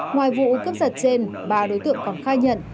ngoài vụ cướp giật trên ba đối tượng còn khai nhận